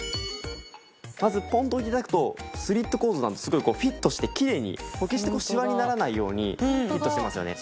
まずポンッと置いて頂くとスリット構造なのですごいこうフィットしてきれいに決してシワにならないようにフィットしてますよね。